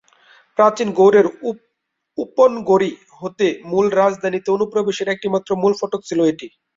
প্রাচীন গৌড়ের উপনগরী হতে মূল রাজধানীতে অনুপ্রবেশের একটিমাত্র মূল ফটক ছিলো এটি।